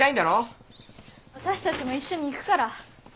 私たちも一緒に行くから。